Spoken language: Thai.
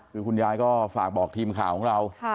คือคุณยายก็ฝากบอกทีมข่าวของเรา